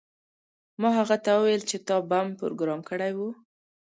ما هغه ته وویل چې تا بم پروګرام کړی و